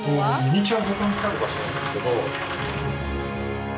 ミニチュアを保管してある場所なんですけど。